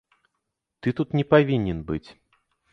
Ты тут не павінен быць.